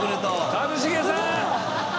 一茂さん！